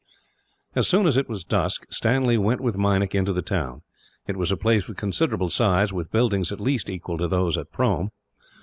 As soon as it was dusk, Stanley went with Meinik into the town. It was a place of considerable size, with buildings at least equal to those at Prome.